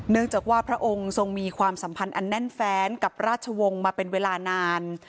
จากว่าพระองค์ทรงมีความสัมพันธ์อันแน่นแฟนกับราชวงศ์มาเป็นเวลานาน